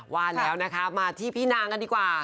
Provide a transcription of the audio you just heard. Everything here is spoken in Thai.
ว่าแล้วนะคะมาที่พี่นางกันดีกว่า